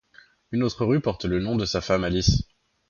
Un autre rue porte le nom de sa femme Alice.